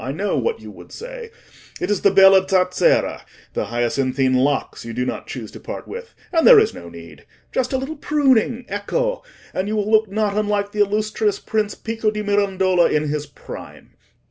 "I know what you would say. It is the bella zazzera—the hyacinthine locks, you do not choose to part with; and there is no need. Just a little pruning—ecco!—and you will look not unlike the illustrious prince Pico di Mirandola in his prime.